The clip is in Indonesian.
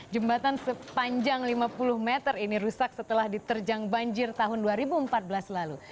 jembatan sepanjang lima puluh meter ini rusak setelah diterjang banjir tahun dua ribu empat belas lalu